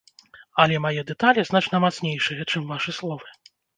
Але мае дэталі значна мацнейшыя, чым вашы словы.